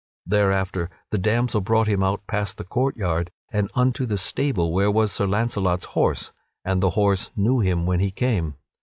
Thereafter the damsel brought him out past the court yard and unto the stable where was Sir Launcelot's horse, and the horse knew him when he came.